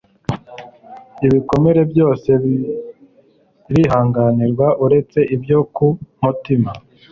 ibikomere byose birihanganirwa, uretse ibyo ku mutima